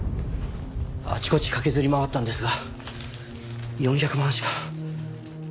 あちこち駆けずり回ったんですが４００万しか。